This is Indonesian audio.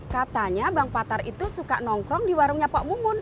katanya bang patar itu suka nongkrong di warungnya pak bungun